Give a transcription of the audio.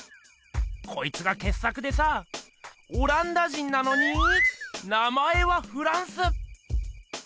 こいつがけっ作でさオランダ人なのに名前はフランス！